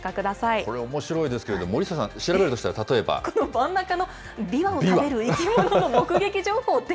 これ、おもしろいですけれども、森下さん、調べるとしたら例この真ん中のビワを食べる生き物の目撃情報って。